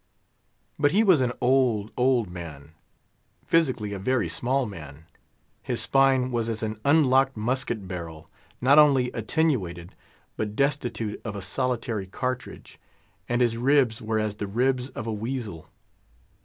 But he was an old, old man; physically, a very small man; his spine was as an unloaded musket barrel—not only attenuated, but destitute of a solitary cartridge, and his ribs were as the ribs of a weasel.